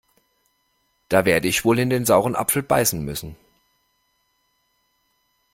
Da werde ich wohl in den sauren Apfel beißen müssen.